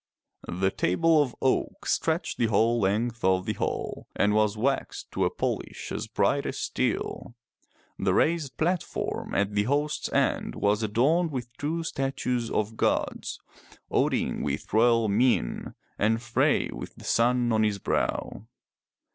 The table of oak stretched the whole length of the hall, and was waxed to a polish as bright as steel. The raised platform at the host*s end was adorned with two statues of gods, Odin with royal mien, and Frey with the sun on his brow.